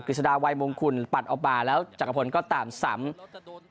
ฤษฎาวัยมงคุณปัดออกมาแล้วจักรพลก็ตามซ้ำ